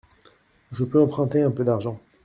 Je peux emprunter un peu d’argent ?